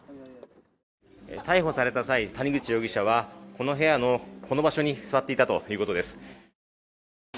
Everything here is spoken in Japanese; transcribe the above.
逮捕された際、谷口容疑者はこの部屋のこの場所に座っていたということです。